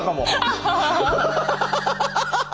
ハハハハハ。